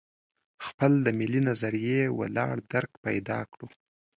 خپل د ملي نظریه ولاړ درک پیدا کړو.